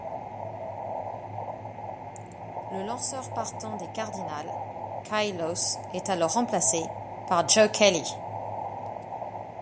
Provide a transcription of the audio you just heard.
Le lanceur partant des Cardinals, Kyle Lohse, est alors remplacé par Joe Kelly.